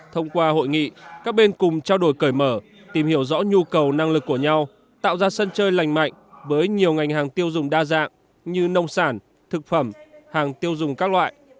thông qua hội nghị các bên cùng trao đổi cởi mở tìm hiểu rõ nhu cầu năng lực của nhau tạo ra sân chơi lành mạnh với nhiều ngành hàng tiêu dùng đa dạng như nông sản thực phẩm hàng tiêu dùng các loại